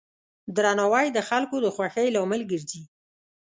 درناوی د خلکو د خوښۍ لامل ګرځي.